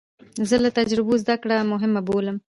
زه له تجربو زده کړه مهمه بولم.